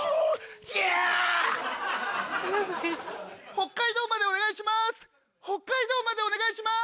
北海道までお願いします！